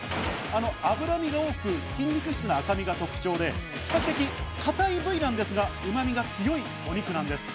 脂身が多く、筋肉質な赤身が特徴で比較的硬い部位ですが、うま味が強い肉なんです。